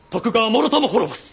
もろとも滅ぼす！